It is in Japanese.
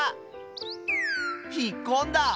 ひっこんだ！